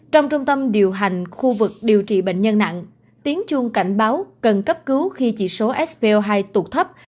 trong trung tâm điều hành khu vực điều trị bệnh nhân nặng tiếng chuông cảnh báo cần cấp cứu khi chỉ số svo hai tám mươi năm